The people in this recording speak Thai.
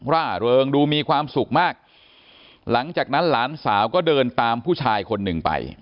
ร่าเริงดูมีความสุขมากหลังจากนั้นหลานสาวก็เดินตามผู้ชายคนหนึ่งไป